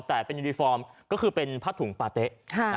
แต่เป็นยูนิฟอร์มก็คือเป็นผ้าถุงปาเต๊ะ